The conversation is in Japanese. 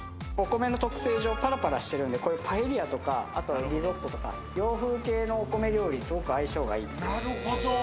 お米の特性上、パラパラしてるので、パエリアとかリゾットとか、洋風系のお米料理にすごく相性がいい。